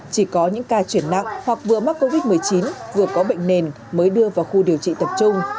chỉ có những ca chuyển nặng hoặc vừa mắc covid một mươi chín vừa có bệnh nền mới đưa vào khu điều trị tập trung